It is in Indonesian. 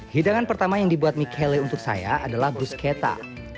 hidangan pertama yang dibuat michele untuk saya adalah bruschetta